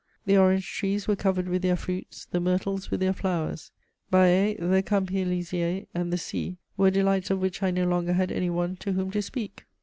The orange trees were covered with their fruits, the myrtles with their flowers. Baie, the Campi Elysei, and the sea were delights of which I no longer had any one to whom to speak.